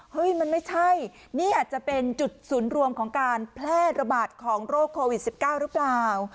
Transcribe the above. เฮ้ยมันไม่ใช่นี่อาจจะเป็นจุดศูนย์รวมของการแพร่ระบาดของโรคโควิด๑๙หรือเปล่า